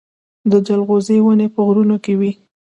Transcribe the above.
د جلغوزي ونې په غرونو کې وي